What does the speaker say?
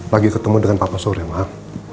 pagi ketemu dengan papa surya maaf